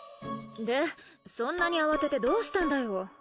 でそんなに慌ててどうしたんだよ？